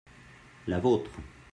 la vôtre.